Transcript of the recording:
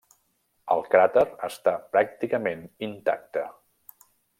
El cràter està pràcticament intacte.